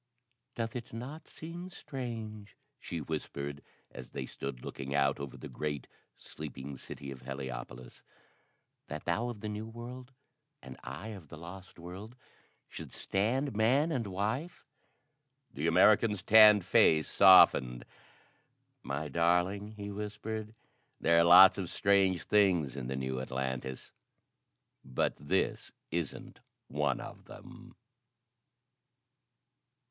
"Doth it not seem strange," she whispered as they stood looking out over the great, sleeping city of Heliopolis, "that thou of the New World and I of the Lost World, should stand man and wife?" The American's tanned face softened. "My darling," he whispered, "there are lots of strange things in the new Atlantis but this isn't one of them."